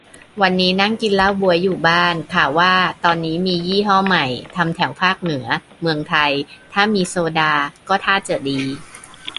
วันนี้นั่งกินเหล้าบ๊วยอยู่บ้าน ข่าวว่าตอนนี้มียี่ห้อใหม่ ทำแถวภาคเหนือเมืองไทย ถ้ามีโซดาก็ท่าจะดี